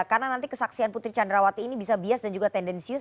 karena nanti kesaksian putri candrawati ini bisa bias dan juga tendensius